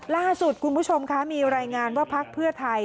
ล่าสุดคุณผู้ชมคะมีรายงานว่าพักเพื่อไทย